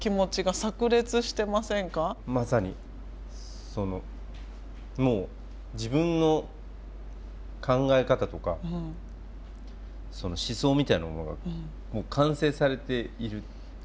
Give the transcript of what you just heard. まさにそのもう自分の考え方とか思想みたいなものが完成されている。